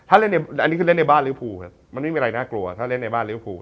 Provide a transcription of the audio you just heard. อันนี้คือเล่นในบ้านหรือภูมิมันไม่มีอะไรน่ากลัวถ้าเล่นในบ้านหรือภูมิ